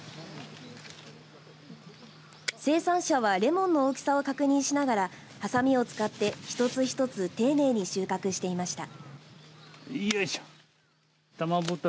生産者は、れもんの大きさを確認しながらはさみを使って一つ一つ丁寧に収穫していました。